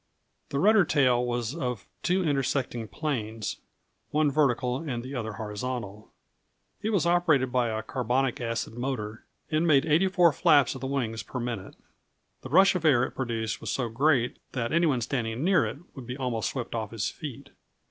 The rudder tail was of two intersecting planes, one vertical and the other horizontal. It was operated by a carbonic acid motor, and made 84 flaps of the wings per minute. The rush of air it produced was so great that any one standing near it would be almost swept off his feet.